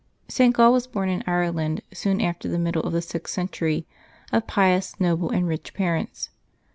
[t. Gall was born in Ireland soon after the middle of _ the sixth century, of pious, noble, and rich parents.